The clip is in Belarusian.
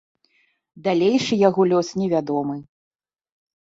Далейшы яго лёс невядомы.